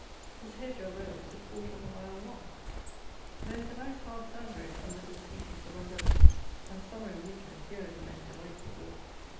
This hedge, or row, is a quarter of a mile long. There is a nice hard sand road under this species of umbrella; and, summer and winter, here is a most delightful walk!